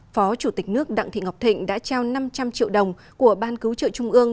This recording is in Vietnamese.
phó chủ tịch nước đặng thị ngọc thịnh đã trao năm trăm linh triệu đồng của ban cứu trợ trung ương